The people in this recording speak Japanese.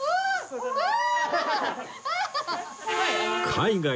すごい！